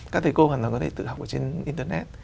các thầy cô hoàn toàn có thể tự học ở trên internet